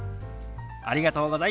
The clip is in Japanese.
ありがとうございます。